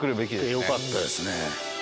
来てよかったですね。